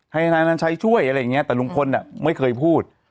ให้ธนัยอันนันชัยช่วยอะไรอย่างเงี้ยแต่ลุงพลน่ะไม่เคยพูด